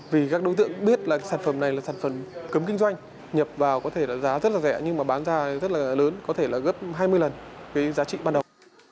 vì các đối tượng biết là sản phẩm này là sản phẩm cấm kinh doanh nhập vào có thể là giá rất là rẻ nhưng mà bán ra rất là lớn có thể là gấp hai mươi lần cái giá trị ban đầu